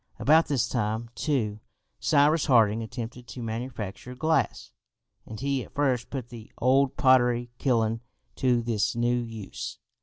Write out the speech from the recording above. About this time, too, Cyrus Harding attempted to manufacture glass and he at first put the old pottery kiln to this new use.